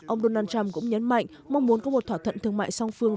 ông donald trump cũng nhấn mạnh mong muốn có một thỏa thuận thương mại song phương